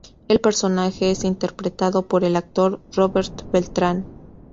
El personaje es interpretado por el actor Robert Beltran.